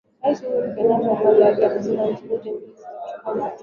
Rais Uhuru Kenyatta kwa upande wake amesema nchi zote mbili zitachukua hatua